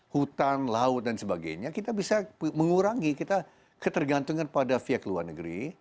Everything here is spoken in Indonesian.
hutan laut dan sebagainya kita bisa mengurangi kita ketergantungan pada via ke luar negeri